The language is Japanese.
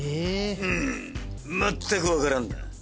うんまったく分からんな。